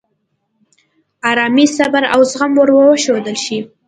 آرامي، صبر، او زغم ور وښودل شي.